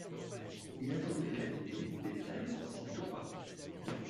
Il a fondé la lignée des Taï Sitoupa.